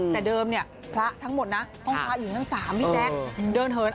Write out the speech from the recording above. แต่เดิมเนี่ยพระทั้งหมดนะห้องพระอยู่ชั้น๓พี่แจ๊คเดินเหิน